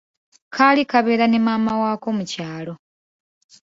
Kaali kabeera ne maama waako mu kyalo.